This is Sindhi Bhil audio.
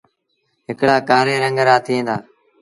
هڪڙآ ڪآري رنگ رآ ٿئيٚݩ دآ۔